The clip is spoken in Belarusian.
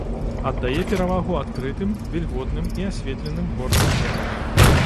Аддае перавагу адкрытым, вільготным і асветленым горным глебам.